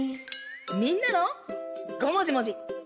みんなの「ごもじもじ」。